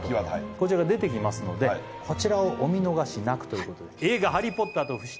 こちらが出てきますのでこちらをお見逃しなくということで映画「ハリー・ポッターと不死鳥の騎士団」